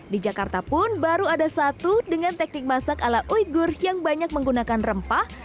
di jakarta pun baru ada satu dengan teknik masak ala uyghur yang banyak menggunakan rempah